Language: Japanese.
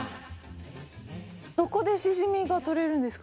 どこでシジミが取れるんですか？